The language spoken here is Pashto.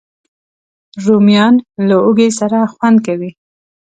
رومیان له هوږې سره خوند کوي